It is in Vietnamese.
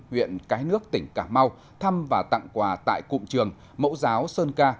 huyện cái nước tỉnh cà mau thăm và tặng quà tại cụm trường mẫu giáo sơn ca